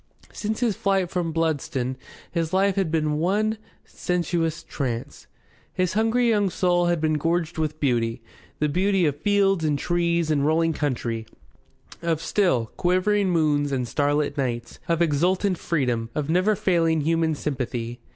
Since his flight from Bludston his life had been one sensuous trance. His hungry young soul had been gorged with beauty the beauty of fields and trees and rolling country, of still, quivering moons and starlit nights, of exultant freedom, of never failing human sympathy.